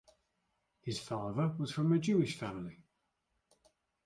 His father was from a Jewish family.